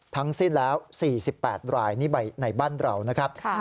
ทั้งสิ้นแล้ว๔๘รายนี่ในบ้านเรานะครับ